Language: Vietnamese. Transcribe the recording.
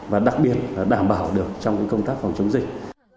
và đặc biệt là đảm bảo được trong công tác phòng chống dịch